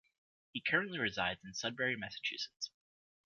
He currently resides in Sudbury, Massachusetts.